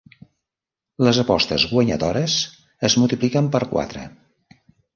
Les apostes guanyadores es multipliquen per quatre.